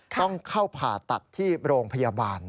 ต้องเข้าผ่าตัดที่โรงพยาบาล